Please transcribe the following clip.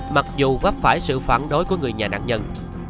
mặc dù vấp phải sự phản đối của người nhà nạn nhân